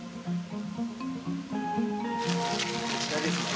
こちらですね。